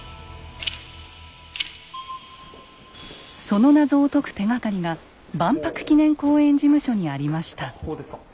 その謎を解く手がかりが万博記念公園事務所にありました。